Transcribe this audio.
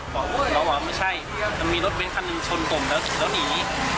เราบอกไม่ใช่มันมีรถเบ้นคันหนึ่งชนผมแล้วหนี